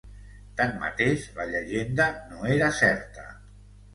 Tanmateix, la llegenda no era certa.